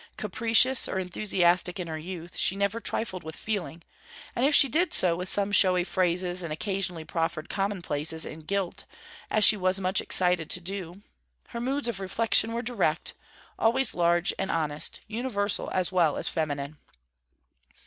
Capricious or enthusiastic in her youth, she never trifled with feeling; and if she did so with some showy phrases and occasionally proffered commonplaces in gilt, as she was much excited to do, her moods of reflection were direct, always large and honest, universal as well as feminine.